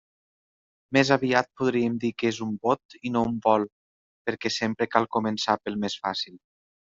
Més aviat podríem dir que és un bot i no un vol, però sempre cal començar pel més fàcil.